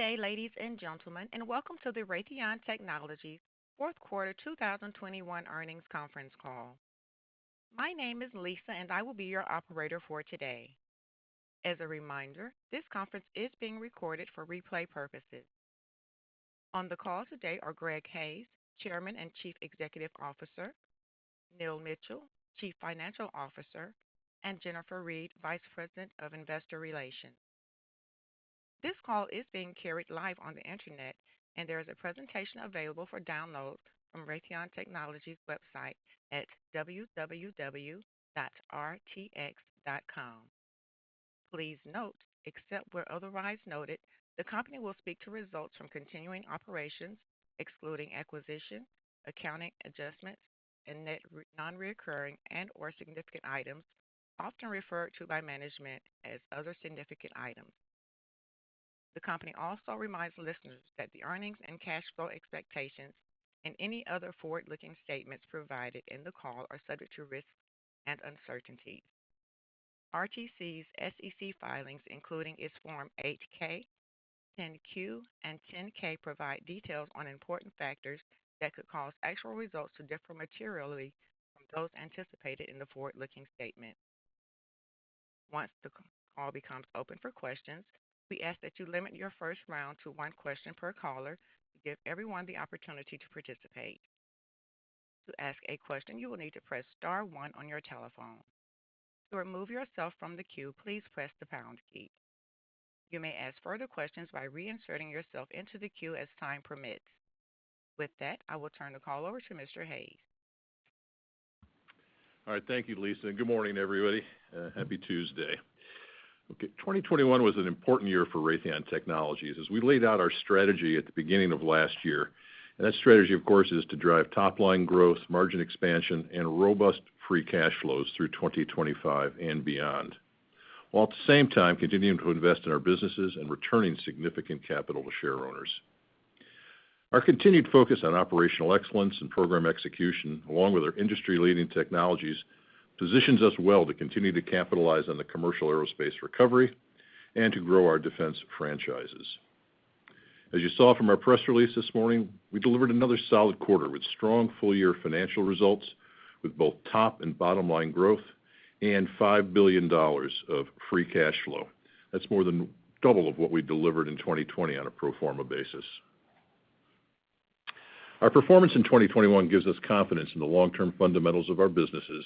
Good day, ladies and gentlemen, and welcome to the Raytheon Technologies fourth quarter 2021 earnings conference call. My name is Lisa, and I will be your operator for today. As a reminder, this conference is being recorded for replay purposes. On the call today are Greg Hayes, Chairman and Chief Executive Officer, Neil Mitchill, Chief Financial Officer, and Jennifer Reed, Vice President of Investor Relations. This call is being carried live on the Internet, and there is a presentation available for download from Raytheon Technologies website at www.rtx.com. Please note, except where otherwise noted, the company will speak to results from continuing operations, excluding acquisition, accounting adjustments and net non-reoccurring and/or significant items often referred to by management as other significant items. The company also reminds listeners that the earnings and cash flow expectations and any other forward-looking statements provided in the call are subject to risks and uncertainties. RTC's SEC filings, including its Form 8-K, 10-Q and 10-K, provide details on important factors that could cause actual results to differ materially from those anticipated in the forward-looking statement. Once the call becomes open for questions, we ask that you limit your first round to one question per caller to give everyone the opportunity to participate. To ask a question, you will need to press star one on your telephone. To remove yourself from the queue, please press the pound key. You may ask further questions by reinserting yourself into the queue as time permits. With that, I will turn the call over to Mr. Hayes. All right. Thank you, Lisa, and good morning, everybody. Happy Tuesday. Okay, 2021 was an important year for Raytheon Technologies as we laid out our strategy at the beginning of last year. That strategy, of course, is to drive top line growth, margin expansion and robust free cash flows through 2025 and beyond, while at the same time continuing to invest in our businesses and returning significant capital to shareowners. Our continued focus on operational excellence and program execution, along with our industry-leading technologies, positions us well to continue to capitalize on the commercial aerospace recovery and to grow our defense franchises. As you saw from our press release this morning, we delivered another solid quarter with strong full year financial results with both top and bottom line growth and $5 billion of free cash flow. That's more than double of what we delivered in 2020 on a pro forma basis. Our performance in 2021 gives us confidence in the long term fundamentals of our businesses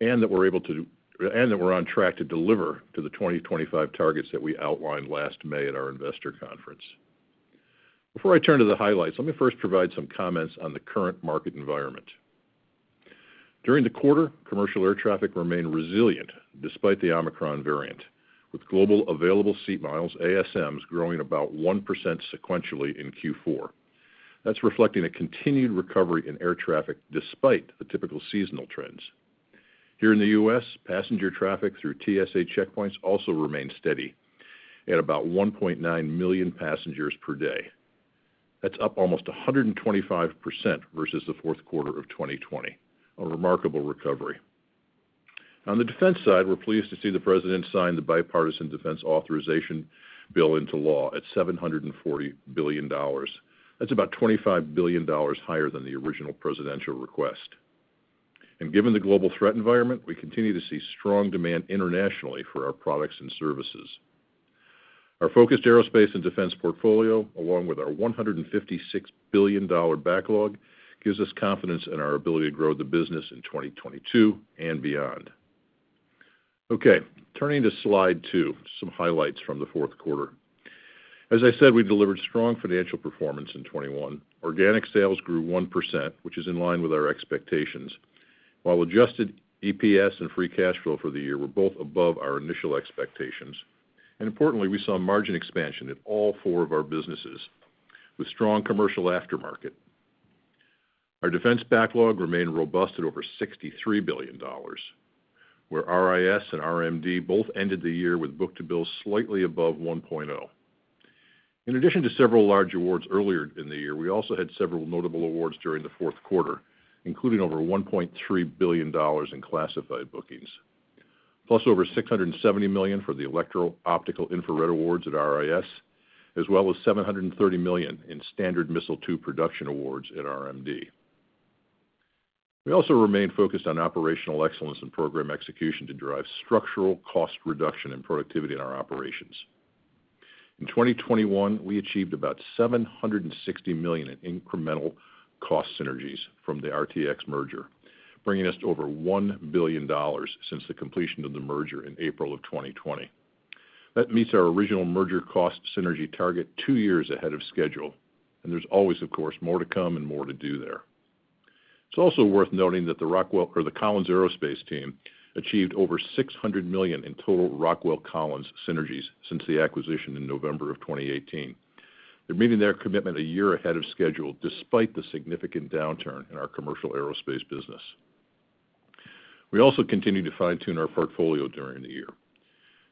and that we're on track to deliver to the 2025 targets that we outlined last May at our investor conference. Before I turn to the highlights, let me first provide some comments on the current market environment. During the quarter, commercial air traffic remained resilient despite the Omicron variant, with global available seat miles, ASMs, growing about 1% sequentially in Q4. That's reflecting a continued recovery in air traffic despite the typical seasonal trends. Here in the U.S., passenger traffic through TSA checkpoints also remained steady at about 1.9 million passengers per day. That's up almost 125% versus the fourth quarter of 2020. A remarkable recovery. On the defense side, we're pleased to see the President sign the Bipartisan Defense Authorization bill into law at $740 billion. That's about $25 billion higher than the original presidential request. Given the global threat environment, we continue to see strong demand internationally for our products and services. Our focused aerospace and defense portfolio, along with our $156 billion backlog, gives us confidence in our ability to grow the business in 2022 and beyond. Okay, turning to slide two, some highlights from the fourth quarter. As I said, we delivered strong financial performance in 2021. Organic sales grew 1%, which is in line with our expectations, while adjusted EPS and free cash flow for the year were both above our initial expectations. Importantly, we saw margin expansion in all four of our businesses with strong commercial aftermarket. Our defense backlog remained robust at over $63 billion, where RIS and RMD both ended the year with book-to-bill slightly above 1.0. In addition to several large awards earlier in the year, we also had several notable awards during the fourth quarter, including over $1.3 billion in classified bookings, plus over $670 million for the electro-optical/infrared awards at RIS, as well as $730 million in Standard Missile-two production awards at RMD. We also remain focused on operational excellence and program execution to drive structural cost reduction and productivity in our operations. In 2021, we achieved about $760 million in incremental cost synergies from the RTX merger, bringing us to over $1 billion since the completion of the merger in April 2020. That meets our original merger cost synergy target two years ahead of schedule. There's always, of course, more to come and more to do there. It's also worth noting that the Rockwell Collins Aerospace team achieved over $600 million in total Rockwell Collins synergies since the acquisition in November 2018. They're meeting their commitment a year ahead of schedule despite the significant downturn in our commercial aerospace business. We also continue to fine-tune our portfolio during the year.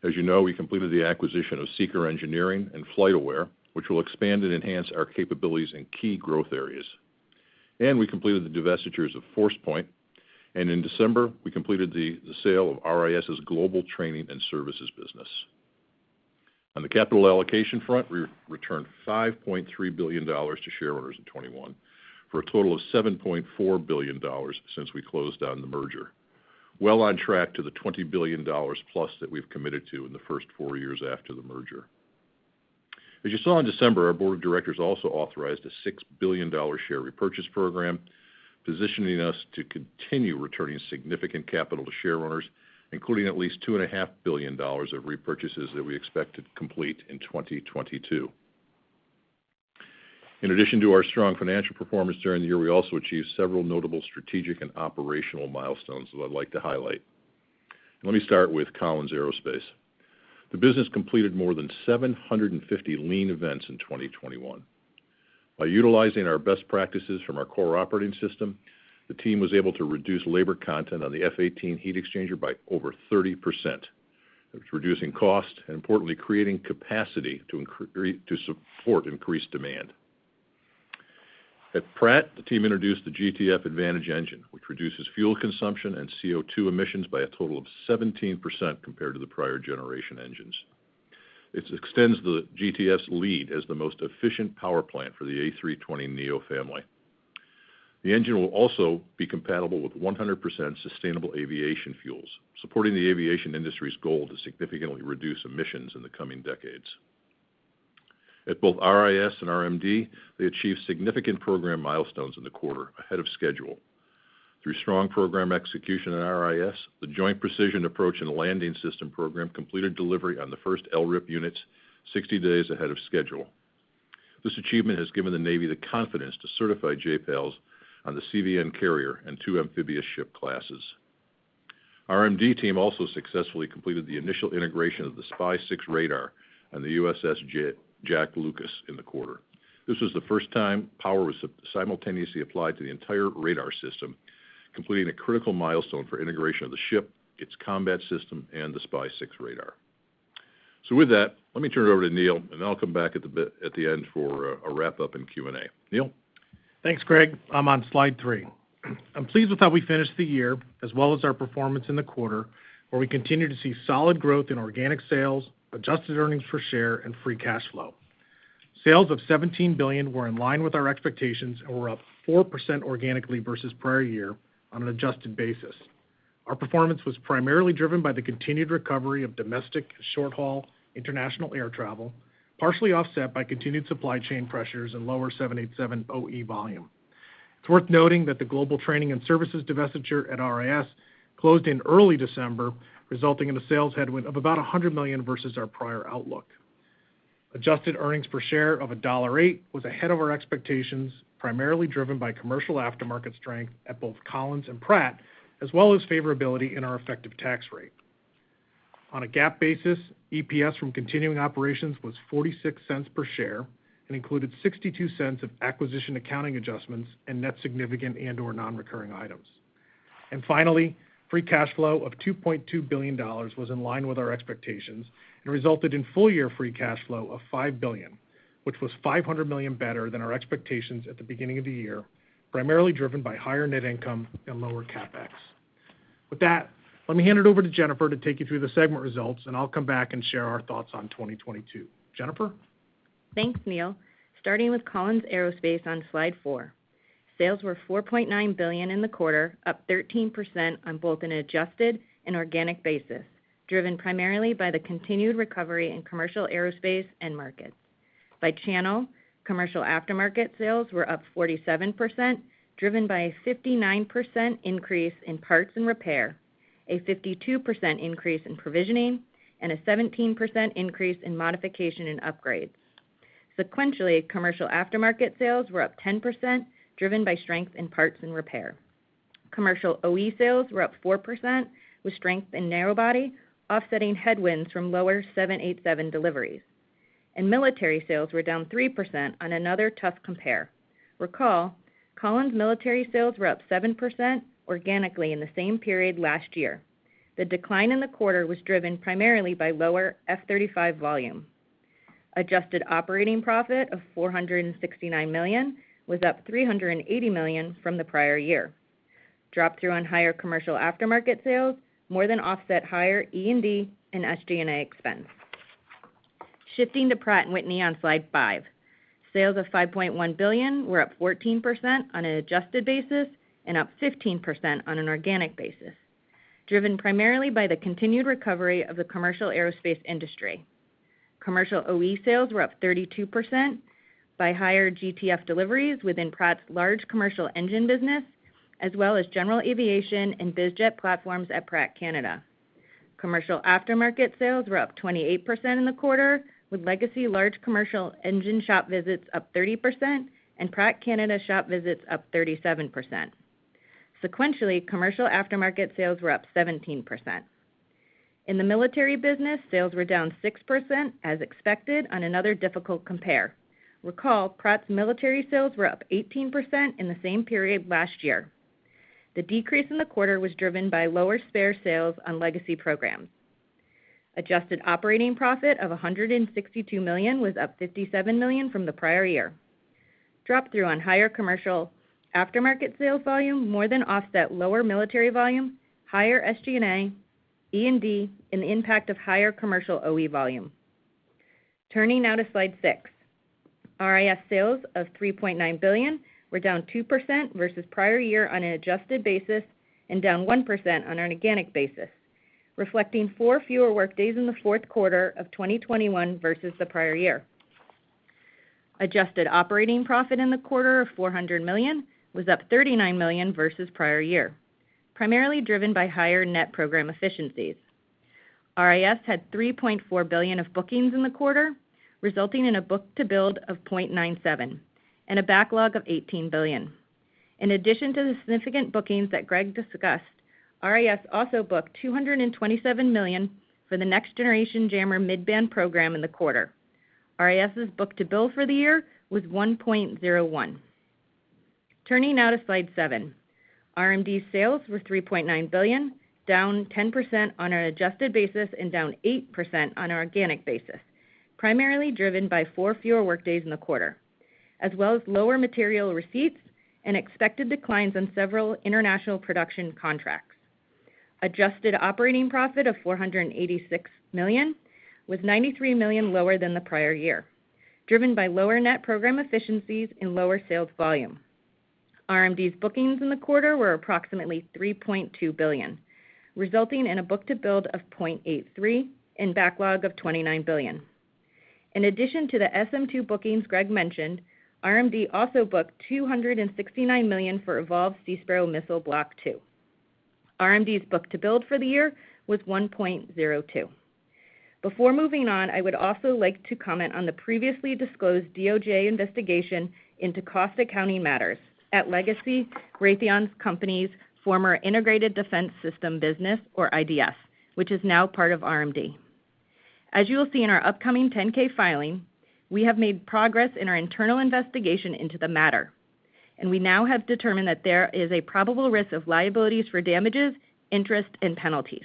As you know, we completed the acquisition of SEAKR Engineering and FlightAware, which will expand and enhance our capabilities in key growth areas. We completed the divestitures of Forcepoint. In December, we completed the sale of RIS' global training and services business. On the capital allocation front, we returned $5.3 billion to shareowners in 2021, for a total of $7.4 billion since we closed on the merger. Well on track to the $20 billion plus that we've committed to in the first four years after the merger. As you saw in December, our board of directors also authorized a $6 billion share repurchase program, positioning us to continue returning significant capital to shareowners, including at least $2.5 billion of repurchases that we expect to complete in 2022. In addition to our strong financial performance during the year, we also achieved several notable strategic and operational milestones that I'd like to highlight. Let me start with Collins Aerospace. The business completed more than 750 lean events in 2021. By utilizing our best practices from our CORE Operating System, the team was able to reduce labor content on the F-18 heat exchanger by over 30%. It was reducing cost and importantly, creating capacity to support increased demand. At Pratt, the team introduced the GTF Advantage engine, which reduces fuel consumption and CO2 emissions by a total of 17% compared to the prior generation engines. It extends the GTF's lead as the most efficient power plant for the A320neo family. The engine will also be compatible with 100% sustainable aviation fuels, supporting the aviation industry's goal to significantly reduce emissions in the coming decades. At both RIS and RMD, they achieved significant program milestones in the quarter ahead of schedule. Through strong program execution at RIS, the Joint Precision Approach and Landing System program completed delivery on the first LRIP units 60 days ahead of schedule. This achievement has given the Navy the confidence to certify JPALS on the CVN carrier and two amphibious ship classes. RMD team also successfully completed the initial integration of the SPY-6 radar on the USS Jack H. Lucas in the quarter. This was the first time power was simultaneously applied to the entire radar system, completing a critical milestone for integration of the ship, its combat system, and the SPY-6 radar. With that, let me turn it over to Neil, and then I'll come back at the end for a wrap-up and Q&A. Neil? Thanks, Greg. I'm on slide three. I'm pleased with how we finished the year as well as our performance in the quarter, where we continue to see solid growth in organic sales, adjusted earnings per share, and free cash flow. Sales of $17 billion were in line with our expectations and were up 4% organically versus prior year on an adjusted basis. Our performance was primarily driven by the continued recovery of domestic short-haul international air travel, partially offset by continued supply chain pressures and lower 787 OE volume. It's worth noting that the global training and services divestiture at RIS closed in early December, resulting in a sales headwind of about $100 million versus our prior outlook. Adjusted earnings per share of $1.08 was ahead of our expectations, primarily driven by commercial aftermarket strength at both Collins and Pratt, as well as favorability in our effective tax rate. On a GAAP basis, EPS from continuing operations was $0.46 per share and included $0.62 of acquisition accounting adjustments and net significant and/or non-recurring items. Finally, free cash flow of $2.2 billion was in line with our expectations and resulted in full-year free cash flow of $5 billion, which was $500 million better than our expectations at the beginning of the year, primarily driven by higher net income and lower CapEx. With that, let me hand it over to Jennifer to take you through the segment results, and I'll come back and share our thoughts on 2022. Jennifer? Thanks, Neil. Starting with Collins Aerospace on slide four. Sales were $4.9 billion in the quarter, up 13% on both an adjusted and organic basis, driven primarily by the continued recovery in commercial aerospace end markets. By channel, commercial aftermarket sales were up 47%, driven by a 59% increase in parts and repair, a 52% increase in provisioning, and a 17% increase in modification and upgrades. Sequentially, commercial aftermarket sales were up 10%, driven by strength in parts and repair. Commercial OE sales were up 4%, with strength in narrow body offsetting headwinds from lower 787 deliveries. Military sales were down 3% on another tough compare. Recall, Collins military sales were up 7% organically in the same period last year. The decline in the quarter was driven primarily by lower F-35 volume. Adjusted operating profit of $469 million was up $380 million from the prior year. Drop through on higher commercial aftermarket sales more than offset higher E&D and SG&A expense. Shifting to Pratt & Whitney on slide five. Sales of $5.1 billion were up 14% on an adjusted basis and up 15% on an organic basis, driven primarily by the continued recovery of the commercial aerospace industry. Commercial OE sales were up 32% by higher GTF deliveries within Pratt's large commercial engine business, as well as general aviation and biz jet platforms at Pratt Canada. Commercial aftermarket sales were up 28% in the quarter, with legacy large commercial engine shop visits up 30% and Pratt Canada shop visits up 37%. Sequentially, commercial aftermarket sales were up 17%. In the military business, sales were down 6% as expected on another difficult compare. Recall, Pratt's military sales were up 18% in the same period last year. The decrease in the quarter was driven by lower spare sales on legacy programs. Adjusted operating profit of $162 million was up $57 million from the prior year. Drop through on higher commercial aftermarket sales volume more than offset lower military volume, higher SG&A, E&D, and the impact of higher commercial OE volume. Turning now to slide six. RIS sales of $3.9 billion were down 2% versus prior year on an adjusted basis, and down 1% on an organic basis, reflecting four fewer work days in the fourth quarter of 2021 versus the prior year. Adjusted operating profit in the quarter of $400 million was up $39 million versus prior year, primarily driven by higher net program efficiencies. RIS had $3.4 billion of bookings in the quarter, resulting in a book-to-bill of 0.97 and a backlog of $18 billion. In addition to the significant bookings that Greg discussed, RIS also booked $227 million for the Next Generation Jammer Mid-Band program in the quarter. RIS' book-to-bill for the year was 1.01. Turning now to slide seven. RMD sales were $3.9 billion, down 10% on an adjusted basis and down 8% on an organic basis, primarily driven by four fewer work days in the quarter, as well as lower material receipts and expected declines on several international production contracts. Adjusted operating profit of $486 million was $93 million lower than the prior year, driven by lower net program efficiencies and lower sales volume. RMD's bookings in the quarter were approximately $3.2 billion, resulting in a book-to-bill of 0.83 and backlog of $29 billion. In addition to the SM-2 bookings Greg mentioned, RMD also booked $269 million for Evolved Sea Sparrow Missile Block II. RMD's book-to-bill for the year was 1.02. Before moving on, I would also like to comment on the previously disclosed DOJ investigation into Contra Costa County matters at legacy Raytheon Company's former Integrated Defense Systems business, or IDS, which is now part of RMD. As you'll see in our upcoming 10-K filing, we have made progress in our internal investigation into the matter, and we now have determined that there is a probable risk of liabilities for damages, interest, and penalties.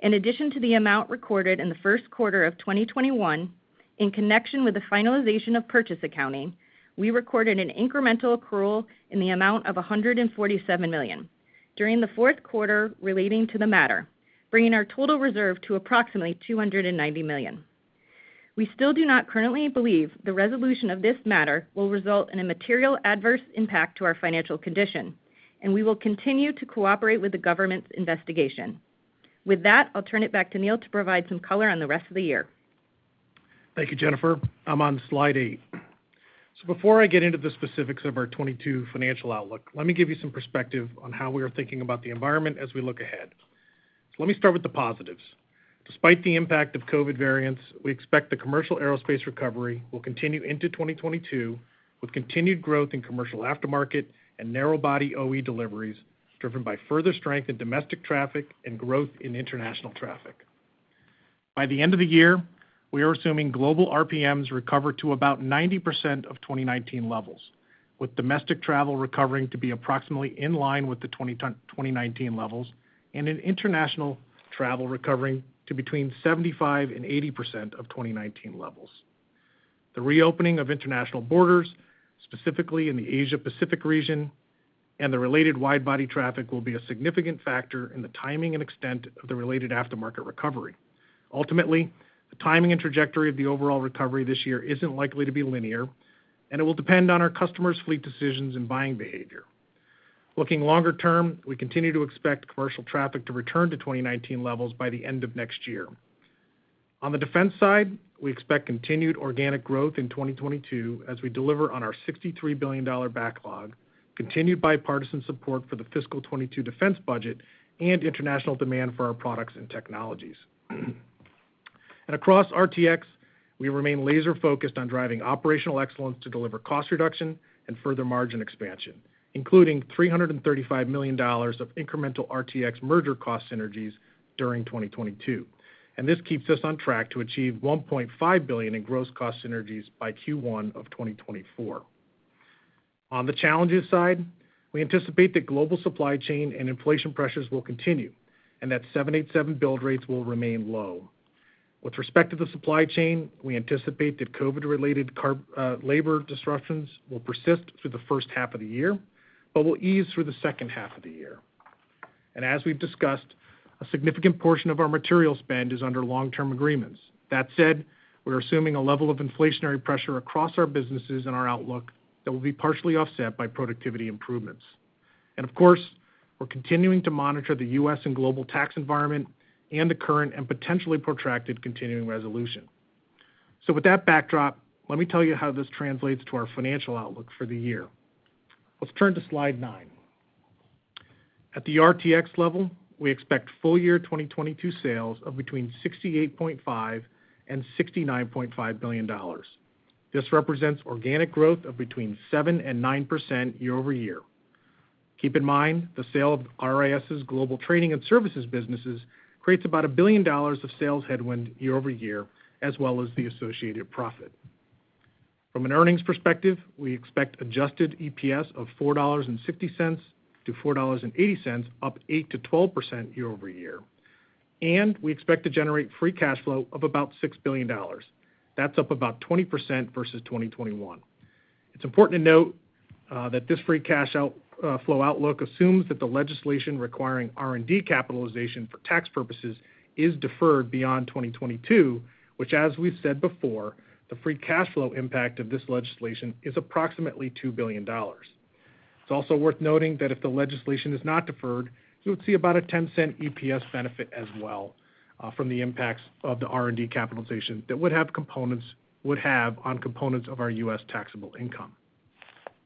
In addition to the amount recorded in the first quarter of 2021, in connection with the finalization of purchase accounting, we recorded an incremental accrual in the amount of $147 million during the fourth quarter relating to the matter, bringing our total reserve to approximately $290 million. We still do not currently believe the resolution of this matter will result in a material adverse impact to our financial condition, and we will continue to cooperate with the government's investigation. With that, I'll turn it back to Neil to provide some color on the rest of the year. Thank you, Jennifer. I'm on slide eight. Before I get into the specifics of our 2022 financial outlook, let me give you some perspective on how we are thinking about the environment as we look ahead. Let me start with the positives. Despite the impact of COVID variants, we expect the commercial aerospace recovery will continue into 2022, with continued growth in commercial aftermarket and narrow body OE deliveries driven by further strength in domestic traffic and growth in international traffic. By the end of the year, we are assuming global RPMs recover to about 90% of 2019 levels, with domestic travel recovering to be approximately in line with the 2019 levels and international travel recovering to between 75%-80% of 2019 levels. The reopening of international borders, specifically in the Asia-Pacific region, and the related wide body traffic will be a significant factor in the timing and extent of the related aftermarket recovery. Ultimately, the timing and trajectory of the overall recovery this year isn't likely to be linear, and it will depend on our customers' fleet decisions and buying behavior. Looking longer term, we continue to expect commercial traffic to return to 2019 levels by the end of next year. On the defense side, we expect continued organic growth in 2022 as we deliver on our $63 billion backlog, continued bipartisan support for the fiscal 2022 defense budget, and international demand for our products and technologies. Across RTX, we remain laser-focused on driving operational excellence to deliver cost reduction and further margin expansion, including $335 million of incremental RTX merger cost synergies during 2022. This keeps us on track to achieve $1.5 billion in gross cost synergies by Q1 of 2024. On the challenges side, we anticipate that global supply chain and inflation pressures will continue and that 787 build rates will remain low. With respect to the supply chain, we anticipate that COVID-related labor disruptions will persist through the first half of the year but will ease through the second half of the year. As we've discussed, a significant portion of our material spend is under long-term agreements. That said, we're assuming a level of inflationary pressure across our businesses and our outlook that will be partially offset by productivity improvements. Of course, we're continuing to monitor the U.S. and global tax environment and the current and potentially protracted continuing resolution. With that backdrop, let me tell you how this translates to our financial outlook for the year. Let's turn to slide nine. At the RTX level, we expect full-year 2022 sales of between $68.5 billion-$69.5 billion. This represents organic growth of between 7%-9% year-over-year. Keep in mind, the sale of RIS's global training and services businesses creates about $1 billion of sales headwind year-over-year as well as the associated profit. From an earnings perspective, we expect adjusted EPS of $4.60-$4.80, up 8%-12% year-over-year. We expect to generate free cash flow of about $6 billion. That's up about 20% versus 2021. It's important to note that this free cash flow outlook assumes that the legislation requiring R&D capitalization for tax purposes is deferred beyond 2022, which as we've said before, the free cash flow impact of this legislation is approximately $2 billion. It's also worth noting that if the legislation is not deferred, you would see about a $0.10 EPS benefit as well from the impacts of the R&D capitalization that would have on components of our U.S. taxable income.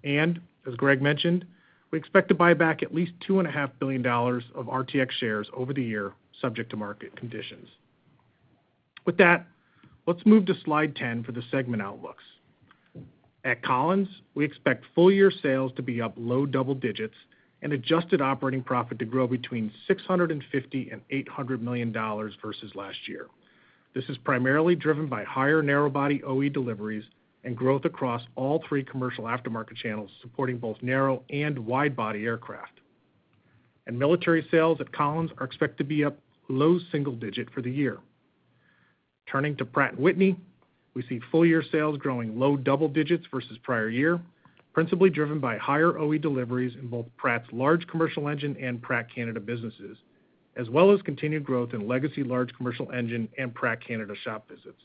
As Greg mentioned, we expect to buy back at least $2.5 billion of RTX shares over the year, subject to market conditions. With that, let's move to slide 10 for the segment outlooks. At Collins, we expect full year sales to be up low double digits and adjusted operating profit to grow between $650 million and $800 million versus last year. This is primarily driven by higher narrow body OE deliveries and growth across all three commercial aftermarket channels, supporting both narrow and wide body aircraft. Military sales at Collins are expected to be up low single digit for the year. Turning to Pratt & Whitney, we see full year sales growing low double digits versus prior year, principally driven by higher OE deliveries in both Pratt's large commercial engine and Pratt Canada businesses, as well as continued growth in legacy large commercial engine and Pratt Canada shop visits.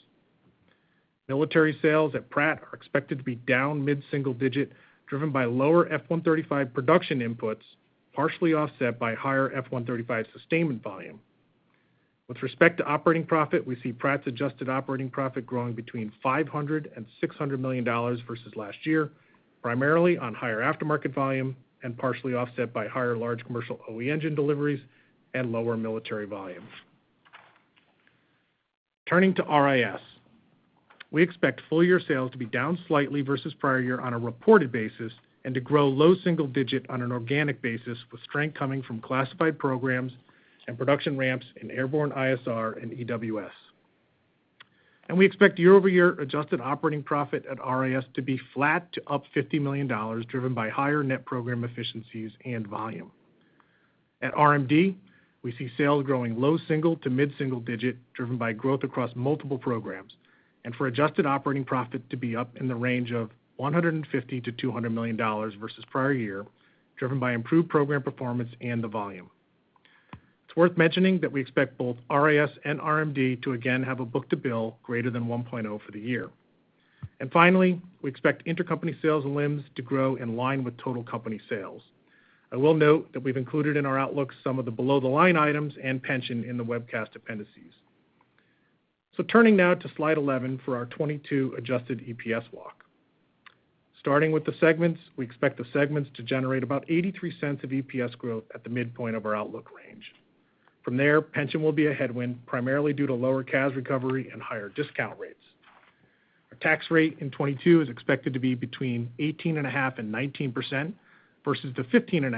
Military sales at Pratt are expected to be down mid-single digit, driven by lower F-135 production inputs, partially offset by higher F-135 sustainment volume. With respect to operating profit, we see Pratt's adjusted operating profit growing between $500 million and $600 million versus last year, primarily on higher aftermarket volume and partially offset by higher large commercial OE engine deliveries and lower military volume. Turning to RIS. We expect full-year sales to be down slightly versus prior year on a reported basis and to grow low single-digit on an organic basis, with strength coming from classified programs and production ramps in airborne ISR and EWS. We expect year-over-year adjusted operating profit at RIS to be flat to up $50 million, driven by higher net program efficiencies and volume. At RMD, we see sales growing low- to mid-single-digit, driven by growth across multiple programs, and for adjusted operating profit to be up in the range of $150 million-$200 million versus prior year, driven by improved program performance and the volume. It's worth mentioning that we expect both RIS and RMD to again have a book-to-bill greater than 1.0 for the year. Finally, we expect intercompany sales and eliminations to grow in line with total company sales. I will note that we've included in our outlook some of the below-the-line items and pension in the webcast appendices. Turning now to slide 11 for our 2022 adjusted EPS walk. Starting with the segments, we expect the segments to generate about $0.83 of EPS growth at the midpoint of our outlook range. From there, pension will be a headwind, primarily due to lower CAS recovery and higher discount rates. Our tax rate in 2022 is expected to be between 18.5% and 19% versus the 15.5% in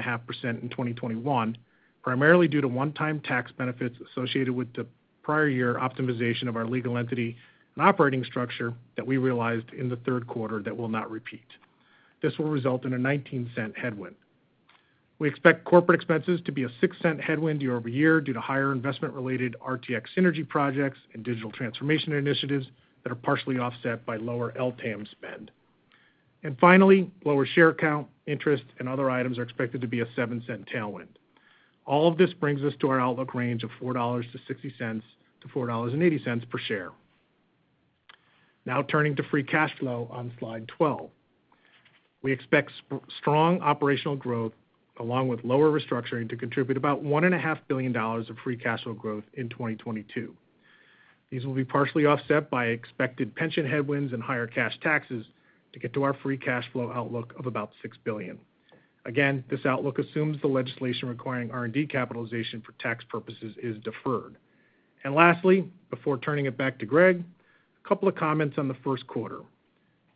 2021, primarily due to one-time tax benefits associated with the prior year optimization of our legal entity and operating structure that we realized in the third quarter that will not repeat. This will result in a $0.19 headwind. We expect corporate expenses to be a $0.06 headwind year-over-year due to higher investment-related RTX synergy projects and digital transformation initiatives that are partially offset by lower LTAM spend. Finally, lower share count, interest, and other items are expected to be a $0.07 tailwind. All of this brings us to our outlook range of $4.60-$4.80 per share. Now turning to free cash flow on slide 12. We expect strong operational growth along with lower restructuring to contribute about one and a half billion dollars of free cash flow growth in 2022. These will be partially offset by expected pension headwinds and higher cash taxes to get to our free cash flow outlook of about $6 billion. Again, this outlook assumes the legislation requiring R&D capitalization for tax purposes is deferred. Lastly, before turning it back to Greg, a couple of comments on the first quarter.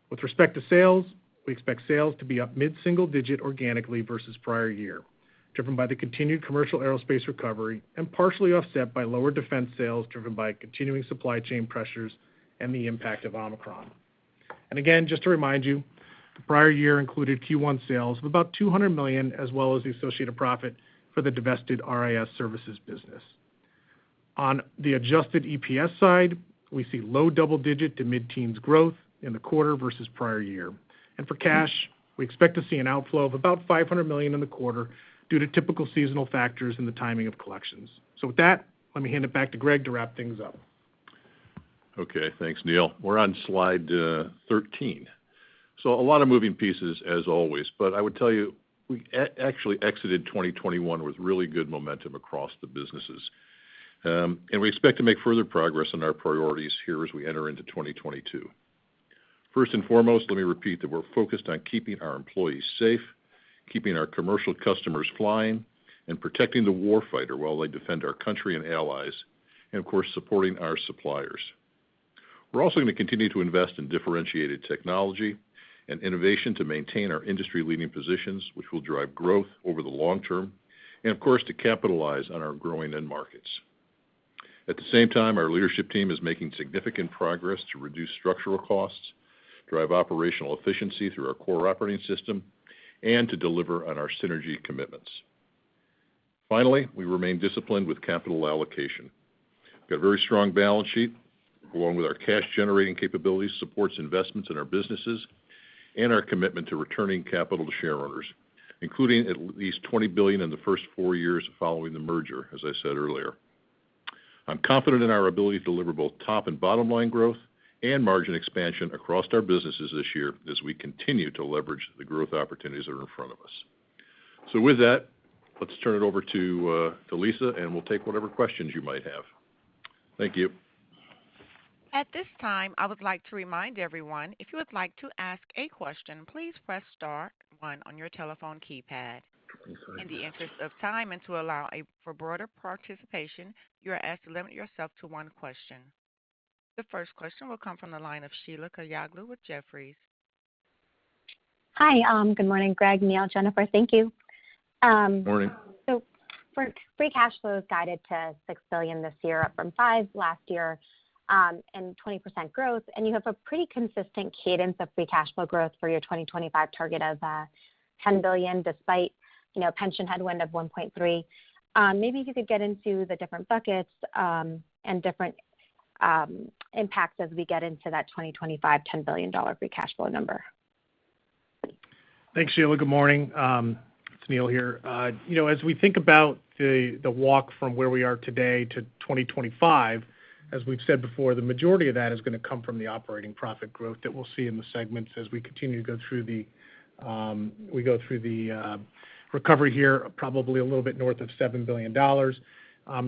With respect to sales, we expect sales to be up mid-single-digit% organically versus prior year, driven by the continued commercial aerospace recovery and partially offset by lower defense sales driven by continuing supply chain pressures and the impact of Omicron. Again, just to remind you, the prior year included Q1 sales of about $200 million, as well as the associated profit for the divested RIS services business. On the adjusted EPS side, we see low double-digit to mid-teens% growth in the quarter versus prior year. For cash, we expect to see an outflow of about $500 million in the quarter due to typical seasonal factors and the timing of collections. With that, let me hand it back to Greg to wrap things up. Okay, thanks, Neil. We're on slide 13. A lot of moving pieces as always, but I would tell you we actually exited 2021 with really good momentum across the businesses. We expect to make further progress on our priorities here as we enter into 2022. First and foremost, let me repeat that we're focused on keeping our employees safe, keeping our commercial customers flying, and protecting the war fighter while they defend our country and allies, and of course, supporting our suppliers. We're also going to continue to invest in differentiated technology and innovation to maintain our industry-leading positions, which will drive growth over the long term, and of course, to capitalize on our growing end markets. At the same time, our leadership team is making significant progress to reduce structural costs, drive operational efficiency through our CORE Operating System, and to deliver on our synergy commitments. Finally, we remain disciplined with capital allocation. We've got a very strong balance sheet, along with our cash-generating capabilities, supports investments in our businesses, and our commitment to returning capital to shareowners, including at least $20 billion in the first four years following the merger, as I said earlier. I'm confident in our ability to deliver both top and bottom line growth and margin expansion across our businesses this year as we continue to leverage the growth opportunities that are in front of us. With that, let's turn it over to Lisa, and we'll take whatever questions you might have. Thank you. At this time, I would like to remind everyone, if you would like to ask a question, please press star one on your telephone keypad. In the interest of time, and to allow for broader participation, you are asked to limit yourself to one question. The first question will come from the line of Sheila Kahyaoglu with Jefferies. Hi. Good morning, Greg, Neil, Jennifer. Thank you. Morning. For free cash flows guided to $6 billion this year, up from $5 billion last year, and 20% growth, and you have a pretty consistent cadence of free cash flow growth for your 2025 target of $10 billion, despite pension headwind of $1.3 billion. Maybe if you could get into the different buckets and different impacts as we get into that 2025 $10 billion free cash flow number. Thanks, Sheila. Good morning. It's Neil here. You know, as we think about the walk from where we are today to 2025, as we've said before, the majority of that is gonna come from the operating profit growth that we'll see in the segments as we continue to go through the recovery here, probably a little bit north of $7 billion.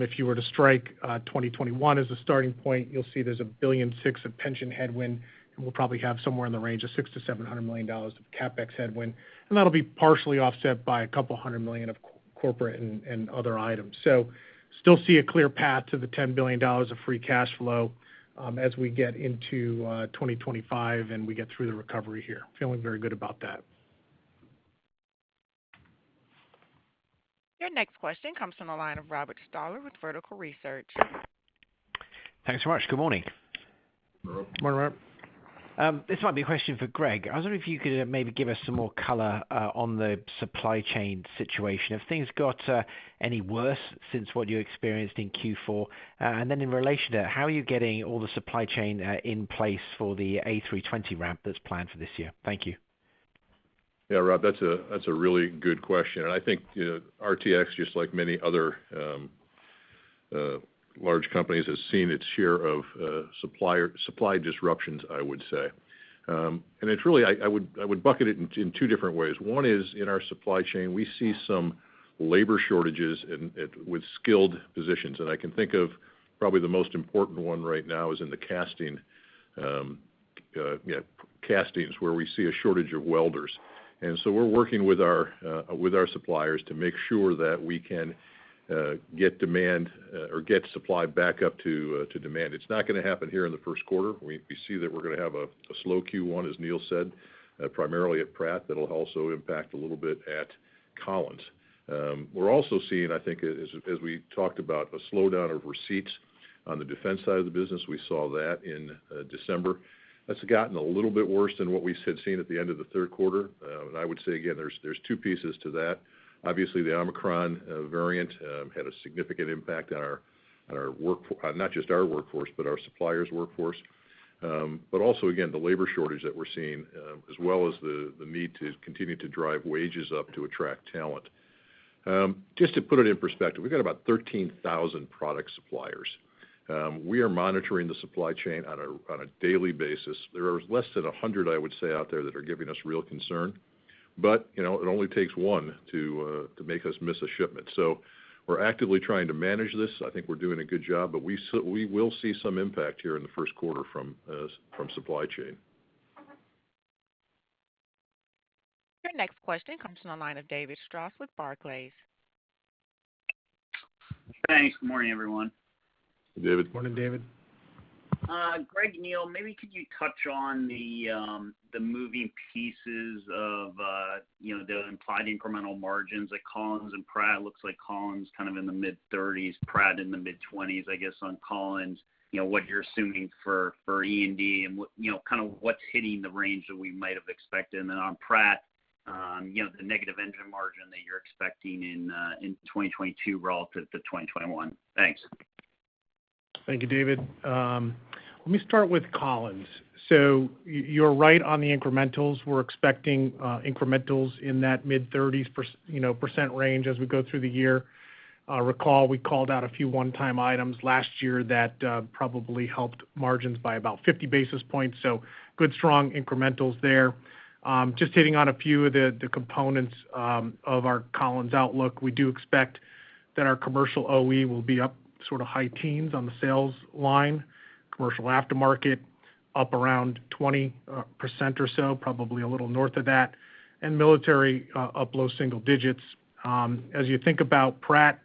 If you were to strike 2021 as a starting point, you'll see there's $1.6 billion of pension headwind, and we'll probably have somewhere in the range of $600 million-$700 million of CapEx headwind, and that'll be partially offset by a couple hundred million of corporate and other items. Still see a clear path to the $10 billion of free cash flow, as we get into 2025, and we get through the recovery here. Feeling very good about that. Your next question comes from the line of Robert Stallard with Vertical Research. Thanks so much. Good morning. Rob. Morning, Rob. This might be a question for Greg. I was wondering if you could maybe give us some more color on the supply chain situation. Have things got any worse since what you experienced in Q4? In relation to it, how are you getting all the supply chain in place for the A320 ramp that's planned for this year? Thank you. Yeah, Rob, that's a really good question. I think, you know, RTX, just like many other large companies, has seen its share of supply disruptions, I would say. I would bucket it in two different ways. One is in our supply chain, we see some labor shortages in with skilled positions. I can think of probably the most important one right now is in the castings, where we see a shortage of welders. We're working with our suppliers to make sure that we can get demand or get supply back up to demand. It's not gonna happen here in the first quarter. We see that we're gonna have a slow Q1, as Neil said, primarily at Pratt. That'll also impact a little bit at Collins. We're also seeing, I think as we talked about, a slowdown of receipts on the defense side of the business. We saw that in December. That's gotten a little bit worse than what we had seen at the end of the third quarter. I would say again, there's two pieces to that. Obviously, the Omicron variant had a significant impact on our workforce, not just our workforce, but our suppliers' workforce. Also again, the labor shortage that we're seeing, as well as the need to continue to drive wages up to attract talent. Just to put it in perspective, we've got about 13,000 product suppliers. We are monitoring the supply chain on a daily basis. There are less than 100, I would say, out there that are giving us real concern. You know, it only takes one to make us miss a shipment. We're actively trying to manage this. I think we're doing a good job, but we will see some impact here in the first quarter from supply chain. Your next question comes from the line of David Strauss with Barclays. Thanks. Morning, everyone. Hey, David. Morning, David. Greg, Neil, maybe could you touch on the moving pieces of you know, the implied incremental margins at Collins and Pratt. It looks like Collins kind of in the mid-30s%, Pratt in the mid-20s%, I guess on Collins. You know, what you're assuming for E&D and what you know, kind of what's hitting the range that we might have expected. Then on Pratt, you know, the negative engine margin that you're expecting in 2022 relative to 2021. Thanks. Thank you, David. Let me start with Collins. You're right on the incrementals. We're expecting incrementals in that mid-30% range, you know, as we go through the year. Recall we called out a few one-time items last year that probably helped margins by about 50 basis points, so good, strong incrementals there. Just hitting on a few of the components of our Collins outlook, we do expect that our commercial OE will be up sort of high teens on the sales line, commercial aftermarket up around 20% or so, probably a little north of that, and military up low single digits. As you think about Pratt,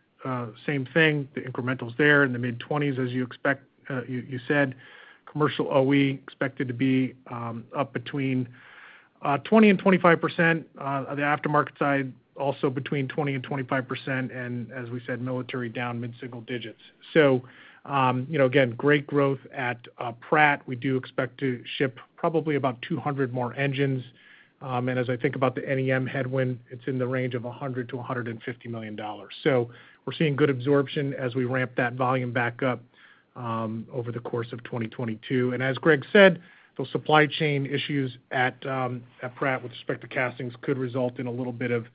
same thing, the incrementals there in the mid-20s, as you expect, you said. Commercial OE expected to be up between 20% and 25%, the aftermarket side also between 20% and 25%, and as we said, military down mid-single digits. You know, again, great growth at Pratt. We do expect to ship probably about 200 more engines. As I think about the NEM headwind, it's in the range of $100 million-$150 million. We're seeing good absorption as we ramp that volume back up over the course of 2022. As Greg said, those supply chain issues at Pratt with respect to castings could result in a little bit of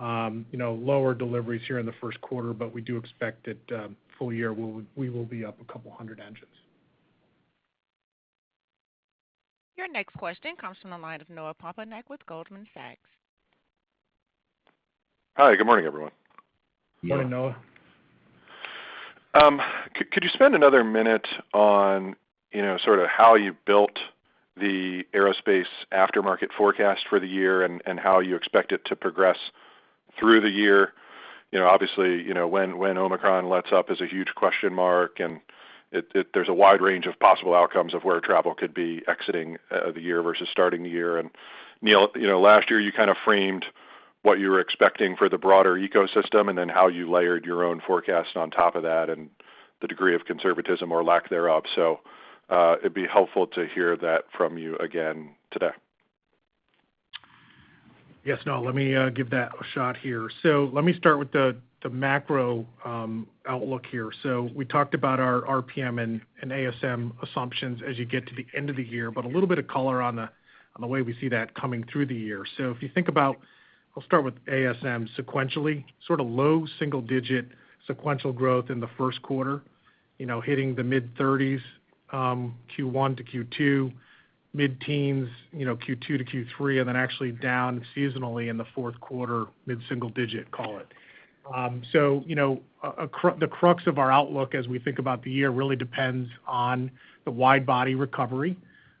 you know lower deliveries here in the first quarter, but we do expect that full year we will be up a couple hundred engines. Your next question comes from the line of Noah Poponak with Goldman Sachs. Hi, good morning, everyone. Good morning, Noah. Could you spend another minute on, you know, sort of how you built the aerospace aftermarket forecast for the year and how you expect it to progress through the year? You know, obviously, you know, when Omicron lets up is a huge question mark, and it there's a wide range of possible outcomes of where travel could be exiting the year versus starting the year. Neil, you know, last year you kind of framed what you were expecting for the broader ecosystem and then how you layered your own forecast on top of that, and the degree of conservatism or lack thereof. It'd be helpful to hear that from you again today. Yes, Noah, let me give that a shot here. Let me start with the macro outlook here. We talked about our RPM and ASM assumptions as you get to the end of the year, but a little bit of color on the way we see that coming through the year. If you think about, I'll start with ASM sequentially, sort of low single digit sequential growth in the first quarter. You know, hitting the mid-30s, Q1 to Q2, mid-teens, you know, Q2 to Q3, and then actually down seasonally in the fourth quarter, mid-single digit, call it. You know, the crux of our outlook as we think about the year really depends on the wide body recovery.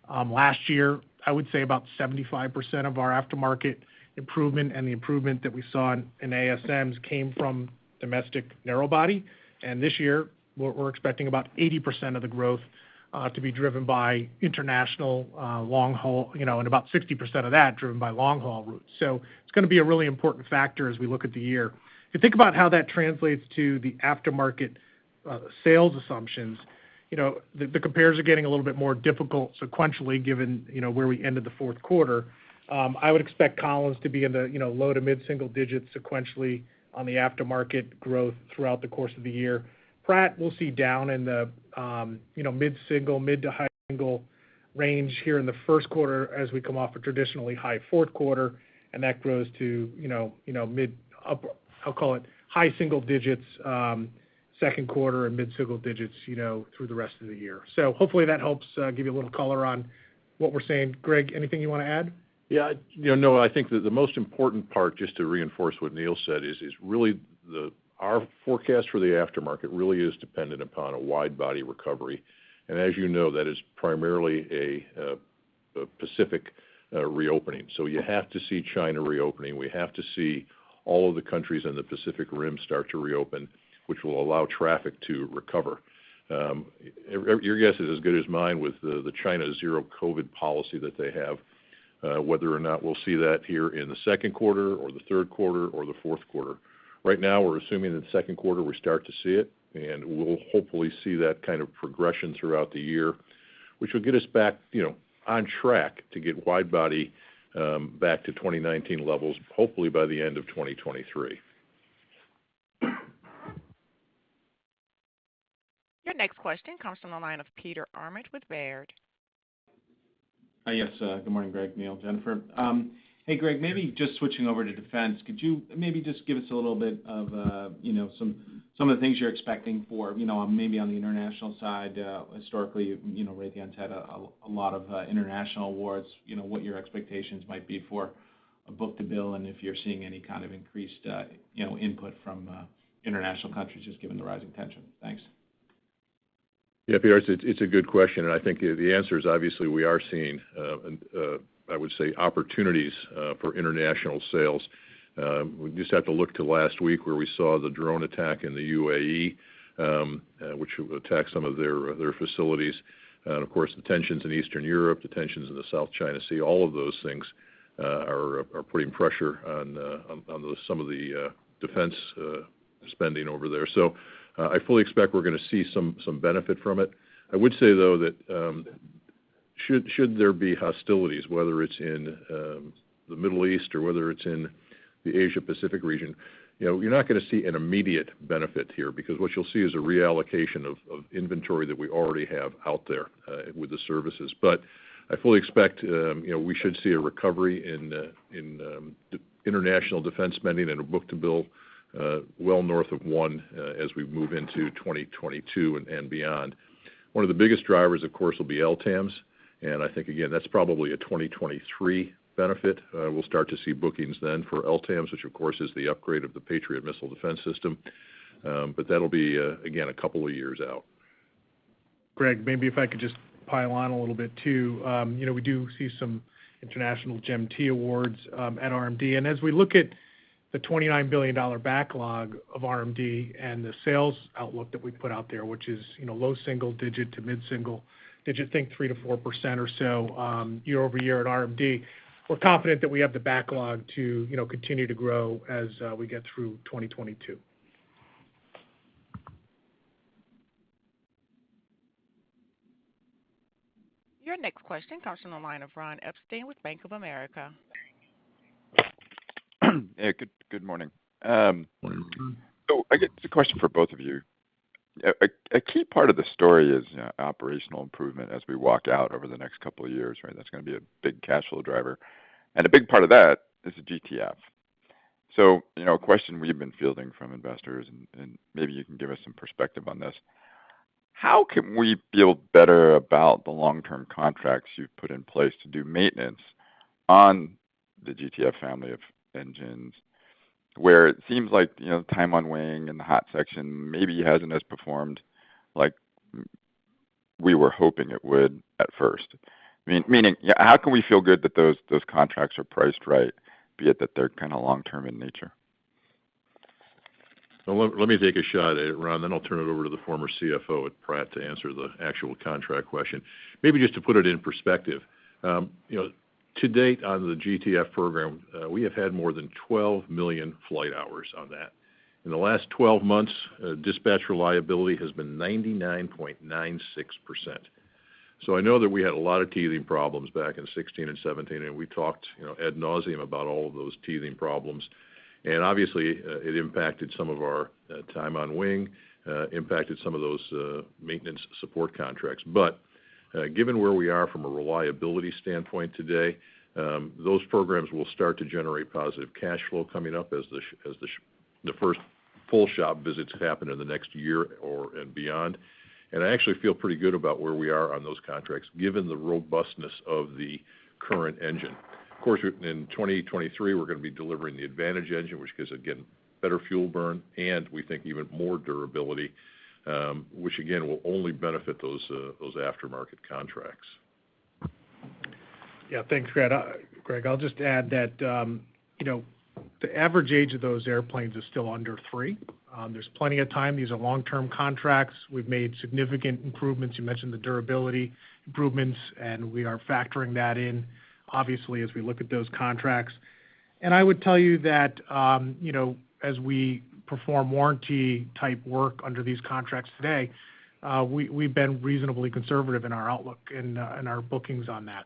Last year, I would say about 75% of our aftermarket improvement and the improvement that we saw in ASMs came from domestic narrow body. This year, we're expecting about 80% of the growth to be driven by international long haul, you know, and about 60% of that driven by long haul routes. It's gonna be a really important factor as we look at the year. If you think about how that translates to the aftermarket sales assumptions, you know, the compares are getting a little bit more difficult sequentially, given, you know, where we ended the fourth quarter. I would expect Collins to be in the low- to mid-single digits sequentially on the aftermarket growth throughout the course of the year. Pratt, we'll see down in the, you know, mid-single digits to mid- to high range here in the first quarter as we come off a traditionally high fourth quarter, and that grows to, you know, mid up, I'll call it high single digits%, second quarter and mid-single digits%, you know, through the rest of the year. So hopefully, that helps give you a little color on what we're seeing. Greg, anything you wanna add? Yeah. You know, Noah, I think that the most important part, just to reinforce what Neil said, is really our forecast for the aftermarket really is dependent upon a wide body recovery. As you know, that is primarily a Pacific reopening. You have to see China reopening. We have to see all of the countries in the Pacific Rim start to reopen, which will allow traffic to recover. Your guess is as good as mine with the China zero COVID policy that they have, whether or not we'll see that here in the second quarter or the third quarter or the fourth quarter. Right now, we're assuming in the second quarter we start to see it, and we'll hopefully see that kind of progression throughout the year, which will get us back, you know, on track to get wide body back to 2019 levels, hopefully by the end of 2023. Your next question comes from the line of Peter Arment with Baird. Hi, yes. Good morning, Greg, Neil, Jennifer. Hey, Greg, maybe just switching over to defense, could you maybe just give us a little bit of, you know, some of the things you're expecting for, you know, maybe on the international side, historically, you know, Raytheon's had a lot of international awards, you know, what your expectations might be for a book-to-bill, and if you're seeing any kind of increased, you know, input from international countries just given the rising tension. Thanks. Yeah, Peter, it's a good question. I think the answer is obviously we are seeing, I would say, opportunities for international sales. We just have to look to last week where we saw the drone attack in the UAE, which attacked some of their facilities. Of course, the tensions in Eastern Europe, the tensions in the South China Sea, all of those things are putting pressure on some of the defense spending over there. I fully expect we're gonna see some benefit from it. I would say, though, that should there be hostilities, whether it's in the Middle East or whether it's in the Asia Pacific region, you know, you're not gonna see an immediate benefit here because what you'll see is a reallocation of inventory that we already have out there with the services. I fully expect, you know, we should see a recovery in international defense spending and a book-to-bill well north of 1 as we move into 2022 and beyond. One of the biggest drivers, of course, will be LTAMDS, and I think, again, that's probably a 2023 benefit. We'll start to see bookings then for LTAMDS, which of course is the upgrade of the Patriot missile defense system. That'll be, again, a couple of years out. Greg, maybe if I could just pile on a little bit too. You know, we do see some international GEM-T awards at RMD. As we look at the $29 billion backlog of RMD and the sales outlook that we put out there, which is, you know, low single digit to mid-single digit, think 3%-4% or so, year-over-year at RMD. We're confident that we have the backlog to, you know, continue to grow as we get through 2022. Your next question comes from the line of Ron Epstein with Bank of America. Hey, good morning. I guess it's a question for both of you. A key part of the story is, you know, operational improvement as we walk out over the next couple of years, right? That's gonna be a big cash flow driver. A big part of that is the GTF. You know, a question we've been fielding from investors, and maybe you can give us some perspective on this. How can we feel better about the long-term contracts you've put in place to do maintenance on the GTF family of engines, where it seems like, you know, time on wing and the hot section maybe hasn't performed like we were hoping it would at first? Meaning, how can we feel good that those contracts are priced right, being that they're kinda long-term in nature? Let me take a shot at it, Ron, then I'll turn it over to the former CFO at Pratt to answer the actual contract question. Maybe just to put it in perspective. You know, to date, on the GTF program, we have had more than 12 million flight hours on that. In the last 12 months, dispatch reliability has been 99.96%. I know that we had a lot of teething problems back in 2016 and 2017, and we talked, you know, ad nauseam about all of those teething problems. Obviously, it impacted some of our time on wing, impacted some of those maintenance support contracts. Given where we are from a reliability standpoint today, those programs will start to generate positive cash flow coming up as the first full shop visits happen in the next year or and beyond. I actually feel pretty good about where we are on those contracts, given the robustness of the current engine. Of course, in 2023, we're gonna be delivering the Advantage engine, which gives, again, better fuel burn, and we think even more durability, which again, will only benefit those aftermarket contracts. Yeah. Thanks, Greg. Greg, I'll just add that, you know, the average age of those airplanes is still under three. There's plenty of time. These are long-term contracts. We've made significant improvements. You mentioned the durability improvements, and we are factoring that in, obviously, as we look at those contracts. I would tell you that, you know, as we perform warranty-type work under these contracts today, we've been reasonably conservative in our outlook and our bookings on that.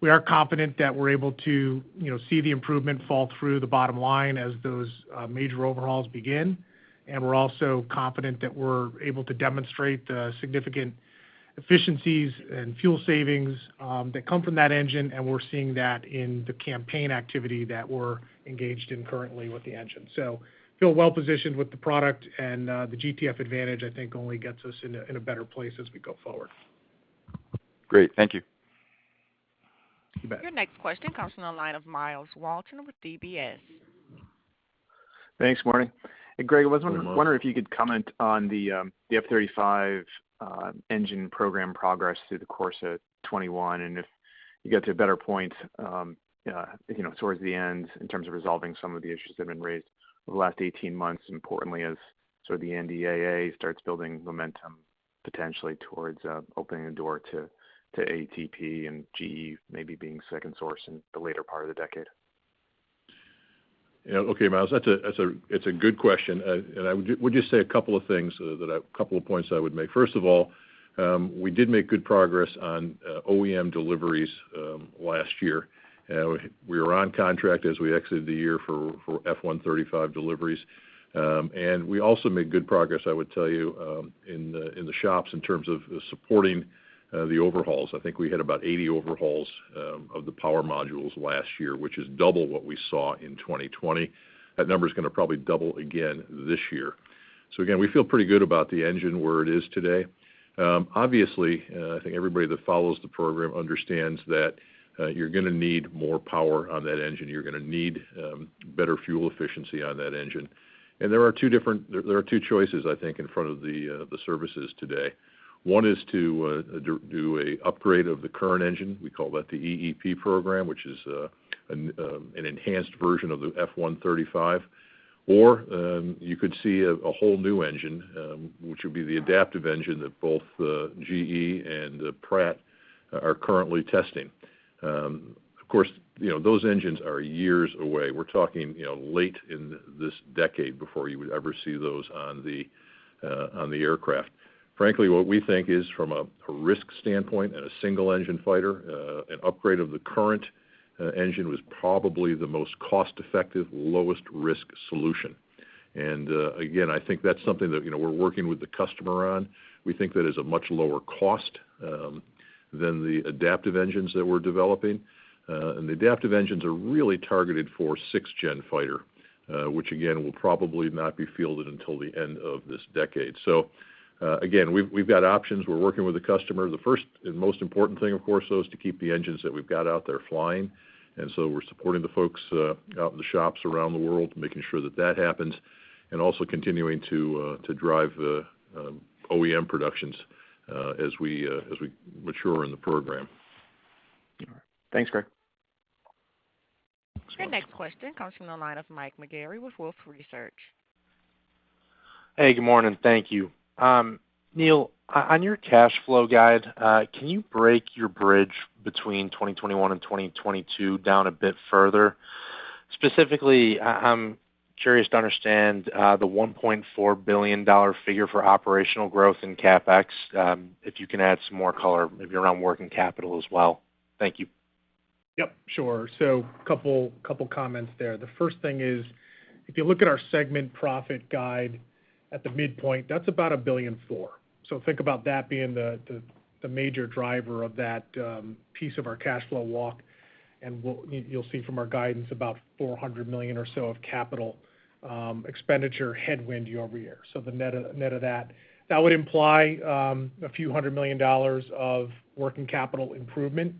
We are confident that we're able to, you know, see the improvement fall through the bottom line as those major overhauls begin. We're also confident that we're able to demonstrate the significant efficiencies and fuel savings that come from that engine, and we're seeing that in the campaign activity that we're engaged in currently with the engine. We feel well positioned with the product, and the GTF Advantage, I think, only gets us in a better place as we go forward. Great. Thank you. You bet. Your next question comes from the line of Myles Walton with UBS. Thanks. Morning. Good morning. Hey, Greg, I was wondering if you could comment on the F-35 engine program progress through the course of 2021, and if you get to a better point, you know, towards the end in terms of resolving some of the issues that have been raised over the last 18 months, importantly, as sort of the NDAA starts building momentum potentially towards opening a door to AETP and GE maybe being second source in the later part of the decade. Yeah. Okay, Myles, that's a good question. I would just say a couple of points I would make. First of all, we did make good progress on OEM deliveries last year. We were on contract as we exited the year for F-135 deliveries. We also made good progress, I would tell you, in the shops in terms of supporting the overhauls. I think we had about 80 overhauls of the power modules last year, which is double what we saw in 2020. That number is gonna probably double again this year. Again, we feel pretty good about the engine where it is today. Obviously, I think everybody that follows the program understands that you're gonna need more power on that engine, you're gonna need better fuel efficiency on that engine. There are two choices, I think, in front of the services today. One is to do an upgrade of the current engine. We call that the EEP program, which is an enhanced version of the F-135. Or you could see a whole new engine, which would be the adaptive engine that both GE and Pratt are currently testing. Of course, you know, those engines are years away. We're talking, you know, late in this decade before you would ever see those on the aircraft. Frankly, what we think is from a risk standpoint and a single-engine fighter, an upgrade of the current engine was probably the most cost-effective, lowest risk solution. Again, I think that's something that, you know, we're working with the customer on. We think that is a much lower cost than the adaptive engines that we're developing. The adaptive engines are really targeted for sixth-gen fighter, which again, will probably not be fielded until the end of this decade. Again, we've got options. We're working with the customer. The first and most important thing, of course, though, is to keep the engines that we've got out there flying. We're supporting the folks out in the shops around the world, making sure that happens, and also continuing to drive the OEM productions as we mature in the program. Thanks, Greg. Your next question comes from the line of Myles Walton with Wolfe Research. Hey, good morning. Thank you. Neil, on your cash flow guide, can you break your bridge between 2021 and 2022 down a bit further? Specifically, I'm curious to understand the $1.4 billion figure for operational growth in CapEx, if you can add some more color, maybe around working capital as well. Thank you. Yep, sure. A couple comments there. The first thing is, if you look at our segment profit guide at the midpoint, that's about $1.4 billion. Think about that being the major driver of that piece of our cash flow walk, and you'll see from our guidance about $400 million or so of capital expenditure headwind year-over-year. The net of that would imply a few hundred million dollars of working capital improvement.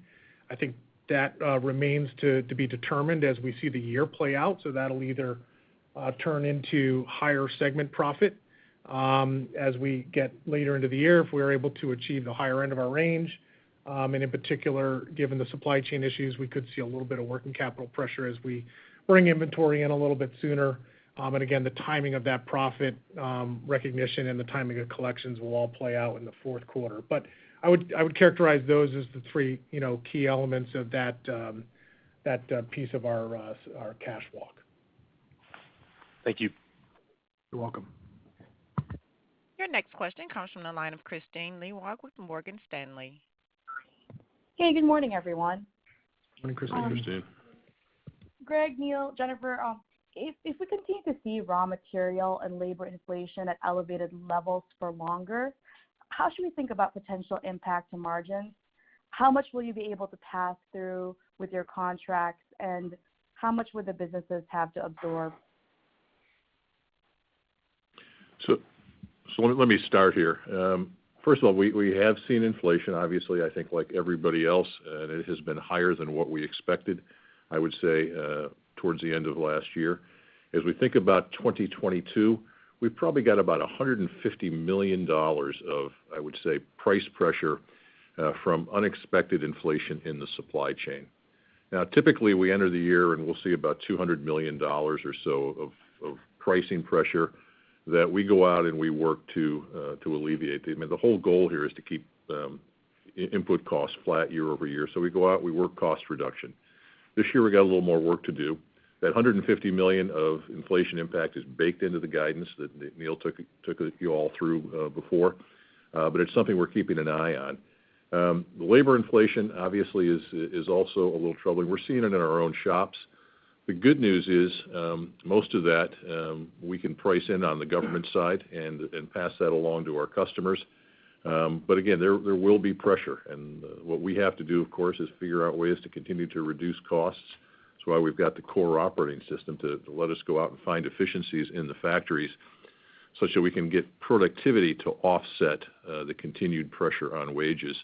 I think that remains to be determined as we see the year play out, so that'll either turn into higher segment profit as we get later into the year if we're able to achieve the higher end of our range. In particular, given the supply chain issues, we could see a little bit of working capital pressure as we bring inventory in a little bit sooner. Again, the timing of that profit recognition and the timing of collections will all play out in the fourth quarter. I would characterize those as the three, you know, key elements of that piece of our cash walk. Thank you. You're welcome. Your next question comes from the line of Kristine Liwag with Morgan Stanley. Hey, good morning, everyone. Morning, Kristine. Greg, Neil, Jennifer, if we continue to see raw material and labor inflation at elevated levels for longer, how should we think about potential impact to margins? How much will you be able to pass through with your contracts, and how much would the businesses have to absorb? Let me start here. First of all, we have seen inflation, obviously. I think like everybody else, and it has been higher than what we expected, I would say, towards the end of last year. As we think about 2022, we've probably got about $150 million of, I would say, price pressure from unexpected inflation in the supply chain. Now, typically, we enter the year and we'll see about $200 million or so of pricing pressure that we go out and we work to alleviate. I mean, the whole goal here is to keep input costs flat year over year. We go out, we work cost reduction. This year, we got a little more work to do. That $150 million of inflation impact is baked into the guidance that Neil took you all through before, but it's something we're keeping an eye on. The labor inflation obviously is also a little troubling. We're seeing it in our own shops. The good news is, most of that we can price in on the government side and pass that along to our customers. Again, there will be pressure. What we have to do, of course, is figure out ways to continue to reduce costs. That's why we've got the CORE Operating System to let us go out and find efficiencies in the factories such that we can get productivity to offset the continued pressure on wages.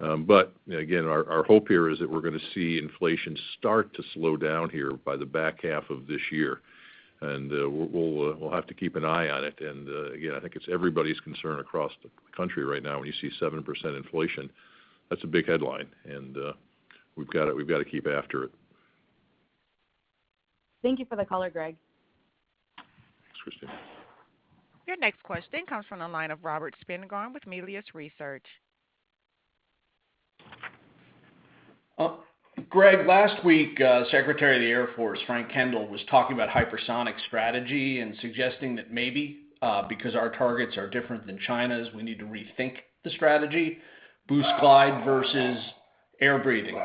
Again, our hope here is that we're gonna see inflation start to slow down here by the back half of this year. We'll have to keep an eye on it. Again, I think it's everybody's concern across the country right now when you see 7% inflation. That's a big headline, and we've got to keep after it. Thank you for the color, Greg. Thanks, Kristine. Your next question comes from the line of Robert Spingarn with Melius Research. Greg, last week, Secretary of the Air Force Frank Kendall was talking about hypersonic strategy and suggesting that maybe because our targets are different than China's, we need to rethink the strategy, boost glide versus air-breathing.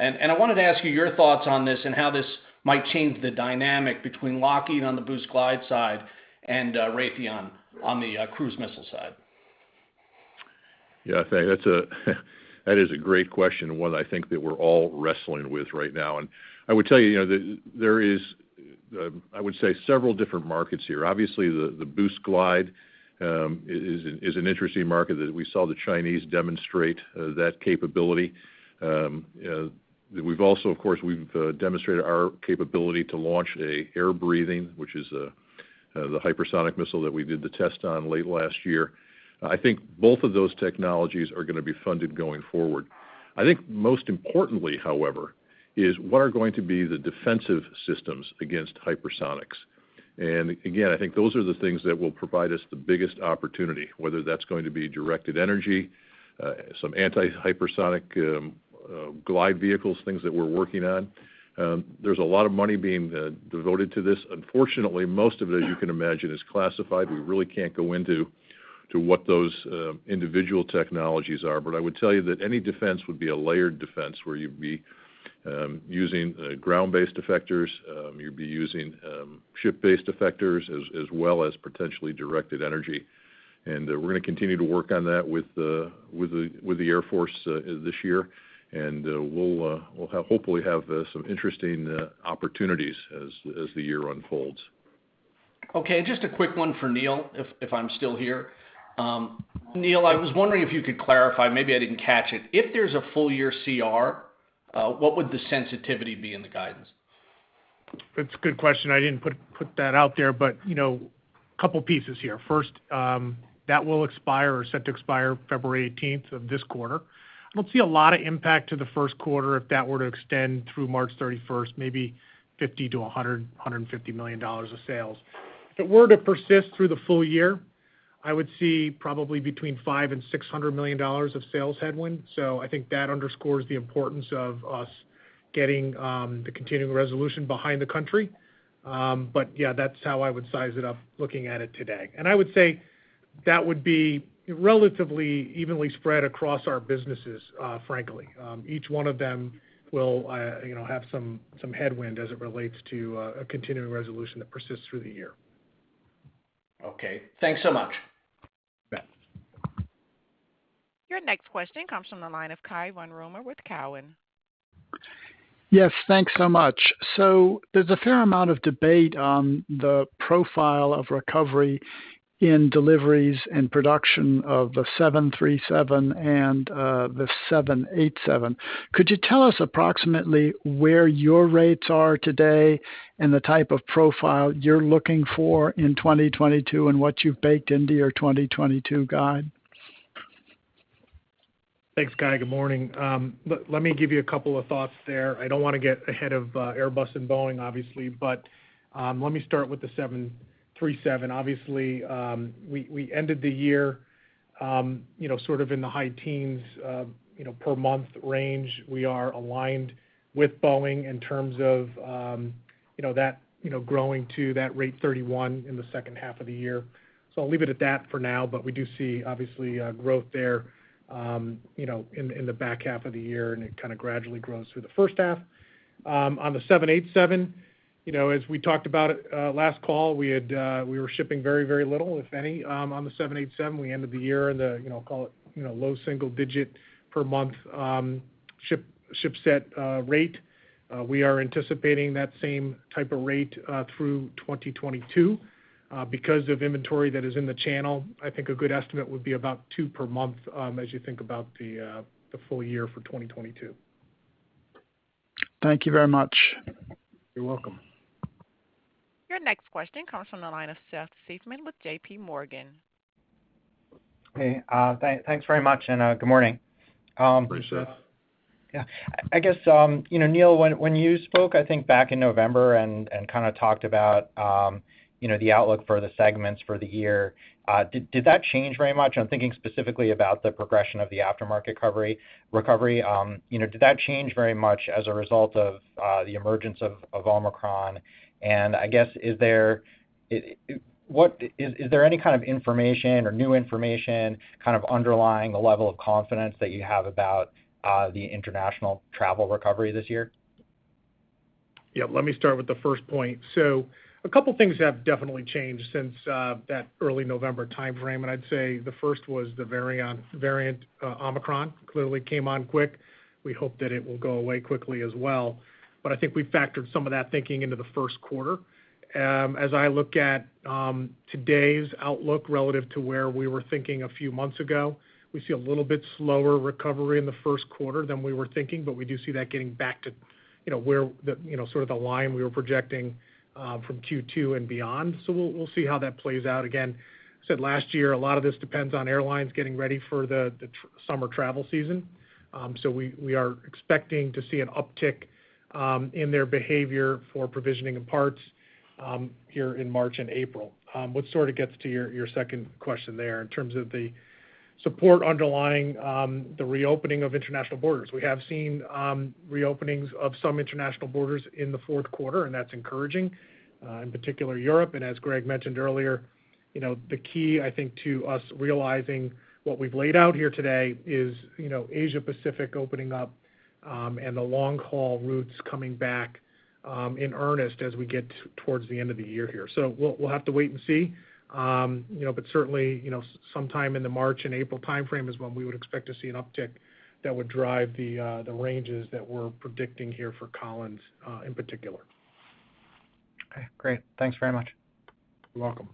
I wanted to ask you your thoughts on this and how this might change the dynamic between Lockheed on the boost glide side and Raytheon on the cruise missile side. Yeah, thanks. That is a great question, and one I think that we're all wrestling with right now. I would tell you know, there is, I would say several different markets here. Obviously, the boost glide is an interesting market that we saw the Chinese demonstrate that capability. We've also, of course, demonstrated our capability to launch an air-breathing, which is the hypersonic missile that we did the test on late last year. I think both of those technologies are gonna be funded going forward. I think most importantly, however, is what are going to be the defensive systems against hypersonics. I think those are the things that will provide us the biggest opportunity, whether that's going to be directed energy, some anti-hypersonic glide vehicles, things that we're working on. There's a lot of money being devoted to this. Unfortunately, most of it, as you can imagine, is classified. We really can't go into what those individual technologies are. I would tell you that any defense would be a layered defense where you'd be using ground-based effectors, you'd be using ship-based effectors, as well as potentially directed energy. We're gonna continue to work on that with the Air Force this year. We'll hopefully have some interesting opportunities as the year unfolds. Okay. Just a quick one for Neil, if I'm still here. Neil, I was wondering if you could clarify, maybe I didn't catch it. If there's a full year CR, what would the sensitivity be in the guidance? That's a good question. I didn't put that out there, but you know, couple pieces here. First, that will expire or set to expire February 18 of this quarter. I don't see a lot of impact to the first quarter if that were to extend through March 31, maybe $50-$150 million of sales. If it were to persist through the full year, I would see probably between $500-$600 million of sales headwind. I think that underscores the importance of us getting the continuing resolution behind the country. But yeah, that's how I would size it up looking at it today. I would say that would be relatively evenly spread across our businesses, frankly. Each one of them will, you know, have some headwind as it relates to a continuing resolution that persists through the year. Okay. Thanks so much. You bet. Your next question comes from the line of Cai von Rumohr with Cowen. Yes, thanks so much. There's a fair amount of debate on the profile of recovery in deliveries and production of the 737 and the 787. Could you tell us approximately where your rates are today and the type of profile you're looking for in 2022, and what you've baked into your 2022 guide? Thanks, Cai. Good morning. Let me give you a couple of thoughts there. I don't wanna get ahead of Airbus and Boeing, obviously, but let me start with the 737. Obviously, we ended the year, you know, sort of in the high teens, you know, per month range. We are aligned with Boeing in terms of, you know, that, you know, growing to that rate 31 in the second half of the year. So I'll leave it at that for now, but we do see obviously growth there, you know, in the back half of the year, and it kind of gradually grows through the first half. On the 787, you know, as we talked about it last call, we were shipping very, very little, if any, on the 787. We ended the year in the, you know, call it, you know, low single digit per month ship set rate. We are anticipating that same type of rate through 2022. Because of inventory that is in the channel, I think a good estimate would be about 2 per month as you think about the full year for 2022. Thank you very much. You're welcome. Your next question comes from the line of Seth Seifman with JP Morgan. Hey, thanks very much. Good morning. Hey, Seth. Yeah. I guess, you know, Neil Mitchill, when you spoke, I think back in November and kind of talked about, you know, the outlook for the segments for the year, did that change very much? I'm thinking specifically about the progression of the aftermarket recovery. You know, did that change very much as a result of the emergence of Omicron? And I guess, is there any kind of information or new information kind of underlying the level of confidence that you have about the international travel recovery this year? Yeah, let me start with the first point. A couple things have definitely changed since that early November timeframe, and I'd say the first was the variant Omicron. Clearly came on quick. We hope that it will go away quickly as well. I think we factored some of that thinking into the first quarter. As I look at today's outlook relative to where we were thinking a few months ago, we see a little bit slower recovery in the first quarter than we were thinking, but we do see that getting back to, you know, where the, you know, sort of the line we were projecting from Q2 and beyond. We'll see how that plays out. Again, as I said last year, a lot of this depends on airlines getting ready for the summer travel season. We are expecting to see an uptick in their behavior for provisioning and parts here in March and April. Which sort of gets to your second question there in terms of the support underlying the reopening of international borders. We have seen reopenings of some international borders in the fourth quarter, and that's encouraging, in particular Europe. As Greg mentioned earlier, you know, the key, I think, to us realizing what we've laid out here today is, you know, Asia Pacific opening up, and the long-haul routes coming back in earnest as we get towards the end of the year here. We'll have to wait and see. You know, certainly, you know, sometime in the March and April timeframe is when we would expect to see an uptick that would drive the ranges that we're predicting here for Collins, in particular. Okay, great. Thanks very much. You're welcome.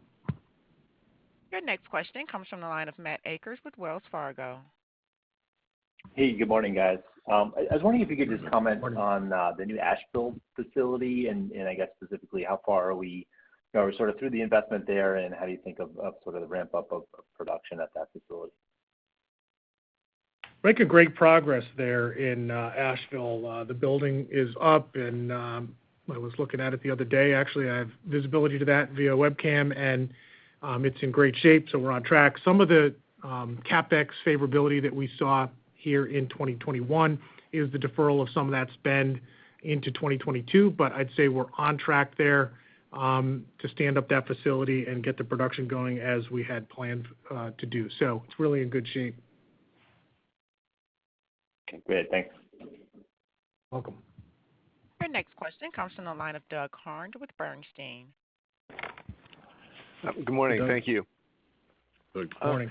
Your next question comes from the line of Matt Akers with Wells Fargo. Hey, good morning, guys. I was wondering if you could just comment. Good morning. on the new Asheville facility and I guess specifically how far are we, you know, sort of through the investment there, and how do you think of sort of the ramp-up of production at that facility? Making great progress there in Asheville. The building is up and I was looking at it the other day. Actually, I have visibility to that via webcam, and it's in great shape, so we're on track. Some of the CapEx favorability that we saw here in 2021 is the deferral of some of that spend into 2022, but I'd say we're on track there to stand up that facility and get the production going as we had planned to do. It's really in good shape. Okay, great. Thanks. You're welcome. Your next question comes from the line of Doug Harned with Bernstein. Good morning. Thank you. Good morning.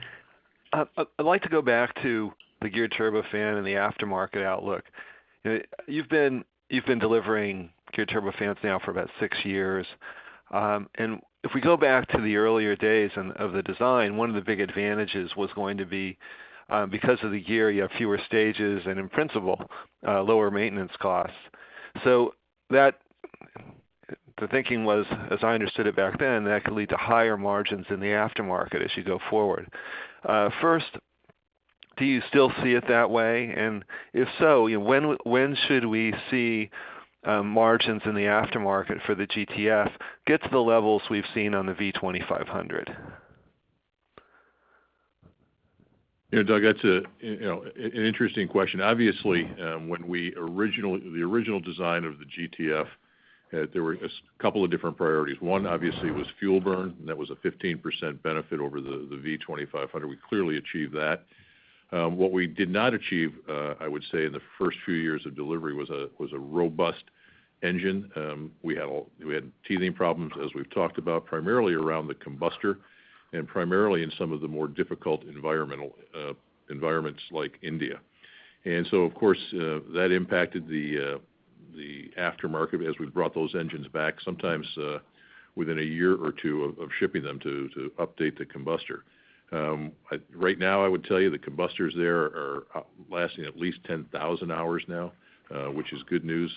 I'd like to go back to the geared turbofan and the aftermarket outlook. You've been delivering geared turbofans now for about sx years. If we go back to the earlier days of the design, one of the big advantages was going to be, because of the gear, you have fewer stages and in principle, lower maintenance costs. The thinking was, as I understood it back then, that could lead to higher margins in the aftermarket as you go forward. First, do you still see it that way? And if so, when should we see margins in the aftermarket for the GTF get to the levels we've seen on the V2500? You know, Doug, that's you know an interesting question. Obviously, the original design of the GTF, there were a couple of different priorities. One obviously was fuel burn, and that was a 15% benefit over the V2500. We clearly achieved that. What we did not achieve, I would say in the first few years of delivery was a robust engine. We had teething problems, as we've talked about, primarily around the combustor and primarily in some of the more difficult environmental environments like India. Of course, that impacted the aftermarket as we brought those engines back, sometimes within a year or two of shipping them to update the combustor. Right now I would tell you the combustors there are lasting at least 10,000 hours now, which is good news.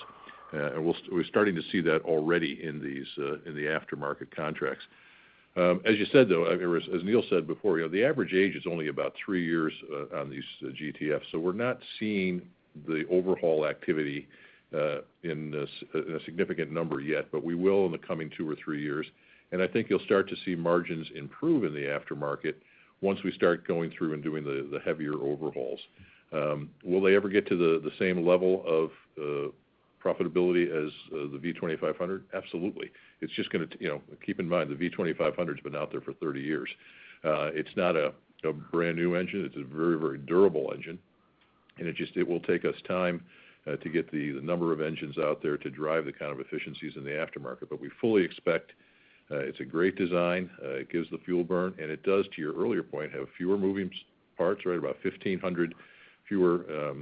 We're starting to see that already in these in the aftermarket contracts. As you said, though, or as Neil Mitchill said before, you know, the average age is only about 3 years on these GTFs. We're not seeing the overhaul activity in a significant number yet, but we will in the coming two or three years. I think you'll start to see margins improve in the aftermarket once we start going through and doing the heavier overhauls. Will they ever get to the same level of profitability as the V2500? Absolutely. It's just gonna, you know. Keep in mind, the V2500's been out there for 30 years. It's not a brand-new engine. It's a very, very durable engine, and it will take us time to get the number of engines out there to drive the kind of efficiencies in the aftermarket. But we fully expect it's a great design. It gives the fuel burn, and it does, to your earlier point, have fewer moving parts, right? About 1,500 fewer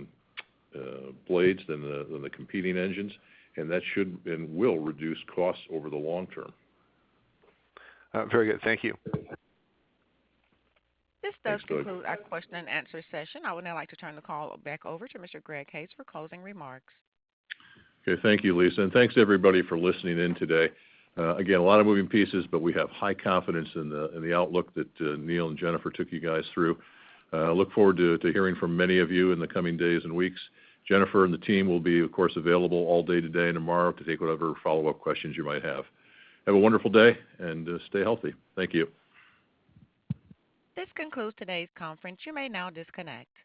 blades than the competing engines, and that should and will reduce costs over the long term. Very good. Thank you. This does conclude our question and answer session. I would now like to turn the call back over to Mr. Greg Hayes for closing remarks. Okay. Thank you, Lisa, and thanks everybody for listening in today. Again, a lot of moving pieces, but we have high confidence in the outlook that Neil and Jennifer took you guys through. Look forward to hearing from many of you in the coming days and weeks. Jennifer and the team will be, of course, available all day today and tomorrow to take whatever follow-up questions you might have. Have a wonderful day, and stay healthy. Thank you. This concludes today's conference. You may now disconnect.